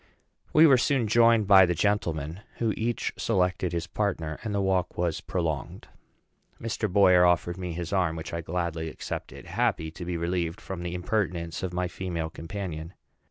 We were soon joined by the gentlemen, who each selected his partner, and the walk was prolonged. Mr. Boyer offered me his arm, which I gladly accepted, happy to be relieved from the impertinence of my female companion.